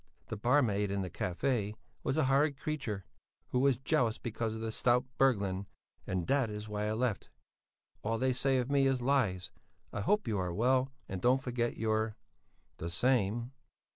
The barmaid in the café was a horrid creechur who was jelous becaus of the stout Berglund and that is why i left. All they say of me is lies i hope you are well and dont forget your The same.